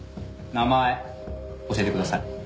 名前教えてください。